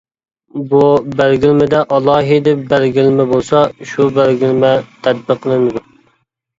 بۇ بەلگىلىمىدە ئالاھىدە بەلگىلىمە بولسا، شۇ بەلگىلىمە تەتبىقلىنىدۇ.